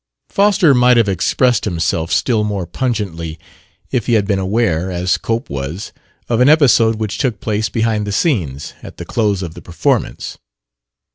Foster might have expressed himself still more pungently if he had been aware, as Cope was, of an episode which took place, behind the scenes, at the close of the performance.